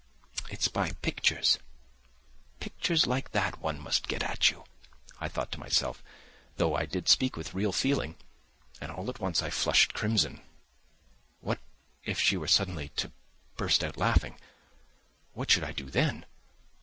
"It's by pictures, pictures like that one must get at you," I thought to myself, though I did speak with real feeling, and all at once I flushed crimson. "What if she were suddenly to burst out laughing, what should I do then?"